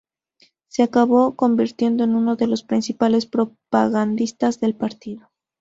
Se acabó convirtiendo en uno de los principales propagandistas del partido.